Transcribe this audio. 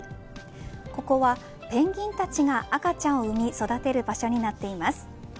ここは、ペンギンたちが赤ちゃんを産み、育てる場所になっています。